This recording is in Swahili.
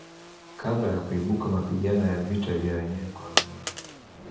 Kabla ya kuibuka mapigano ya vita vya wenyewe kwa wenyewe